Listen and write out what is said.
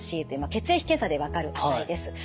ｃ血液検査で分かる値です。